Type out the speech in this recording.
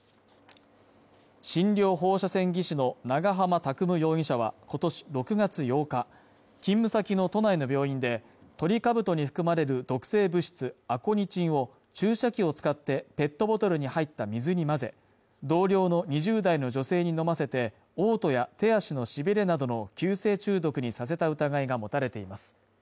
診療放射線技師の長浜拓夢容疑者は今年６月８日勤務先の都内の病院でトリカブトに含まれる毒性物質アコニチンを注射器を使ってペットボトルに入った水に混ぜ同僚の２０代の女性に飲ませておう吐や手足のしびれなどの急性中毒にさせた疑いが持たれています